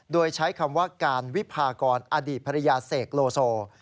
โดยใช้คำว่าการวิพากรอดีตภรรยาเสกโลโซ